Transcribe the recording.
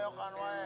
kok mau jombi neteh